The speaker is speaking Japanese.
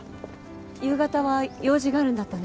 夕方は用事があるんだったね。